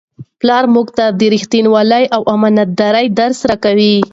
پلار موږ ته د رښتینولۍ او امانتدارۍ درس راکوي.